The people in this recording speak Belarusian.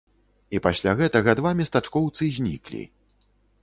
І пасля гэтага два местачкоўцы зніклі.